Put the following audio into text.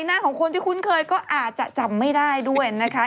หน้าของคนที่คุ้นเคยก็อาจจะจำไม่ได้ด้วยนะคะ